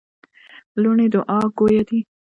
لوڼي دوعا ګویه دي.